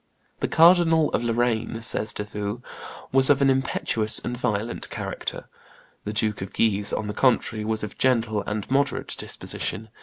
"The Cardinal of Lorraine," says De Thou, "was of an impetuous and violent character; the Duke of Guise, on the contrary, was of a gentle and moderate disposition.